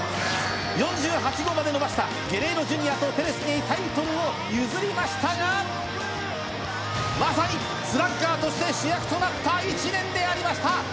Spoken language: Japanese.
４８号まで伸ばしたゲレーロＪｒ．とペレスにタイトルを譲りましたがまさにスラッガーとして主役となった１年でありました！